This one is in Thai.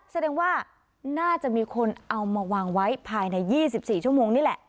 แสดงว่าน่าจะมีคนเอามาวางไว้ภายใน๒๔ชั่วโมงนี่แหละ